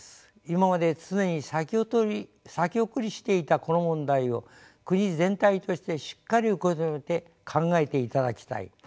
今まで常に先送りしていたこの問題を国全体としてしっかり受け止めて考えていただきたい。